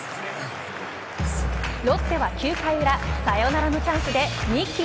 ロッテは９回裏サヨナラのチャンスで三木亮。